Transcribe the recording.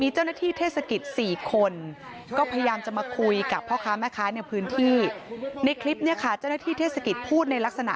เจ้าหน้าที่เทศกิจพูดในข้างลักษณะที่ว่า